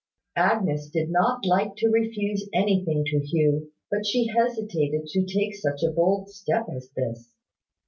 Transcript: Agnes did not like to refuse anything to Hugh: but she hesitated to take such a bold step as this.